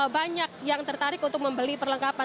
banyak yang tertarik untuk membeli perlengkapan